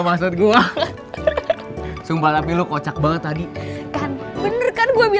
may uslevelukan baik baik ideally